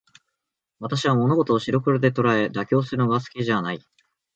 私は物事を白黒で捉え、妥協するのが好きじゃない。